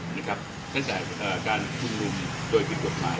เนื่องจากการตูนมมโดยผิดกฎหมาย